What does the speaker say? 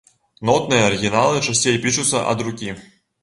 Нотныя арыгіналы часцей пішуцца ад рукі.